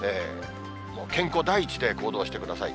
健康第一で行動してください。